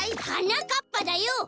はなかっぱだよ！